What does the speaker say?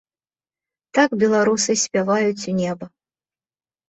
Так беларусы спяваюць у неба.